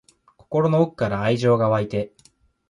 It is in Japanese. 心の奥から愛情が湧いて